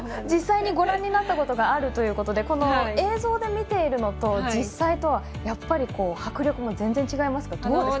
実際にご覧になったことがあるということで映像で見ているのと実際とは迫力も全然違いますか。